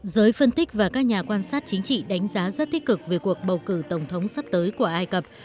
giới phân tích và các nhà quan sát chính trị đánh giá rất tích cực về cuộc bầu cử tổng thống sắp tới của ai cập